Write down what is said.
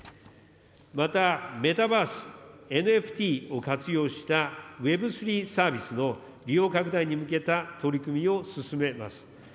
また、メタバース、ＮＦＴを活用した、Ｗｅｂ３．０サービスの利用拡大に向けた取り組みを進めます。